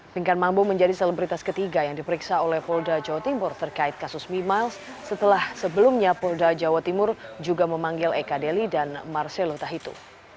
pingkan mambo menjadi selebritas ketiga yang diperiksa oleh polda jawa timur terkait kasus mimiles setelah sebelumnya polda jawa timur juga memanggil eka deli dan marcelo tahitu